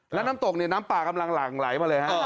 แล้วน้ำตกเนี่ยน้ำป่ากำลังหลั่งไหลมาเลยฮะ